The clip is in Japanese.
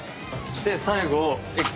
で最後。